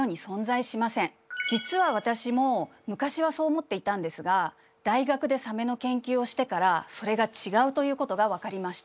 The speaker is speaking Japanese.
実は私も昔はそう思っていたんですが大学でサメの研究をしてからそれが違うということが分かりました。